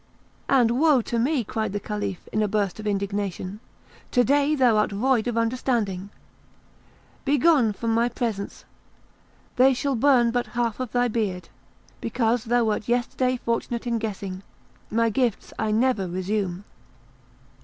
"And woe to thee!" cried the Caliph, in a burst of indignation; "to day thou art void of understanding. Begone from my presence; they shall burn but the half of thy beard, because, thou wert yesterday fortunate in guessing; my gifts I never resume."